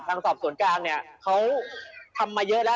สอบส่วนกลางเนี่ยเขาทำมาเยอะแล้ว